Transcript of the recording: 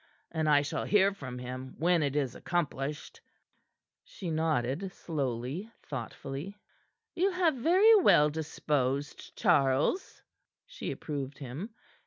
And I shall hear from him when it is accomplished." She nodded slowly, thoughtfully. "You have very well disposed, Charles," she approved him.